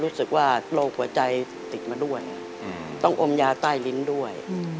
รู้สึกว่าโรคหัวใจติดมาด้วยต้องอมยาใต้ลิ้นด้วย